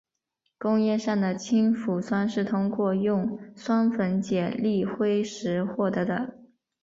工业上的氢氟酸是通过用酸分解磷灰石获得的。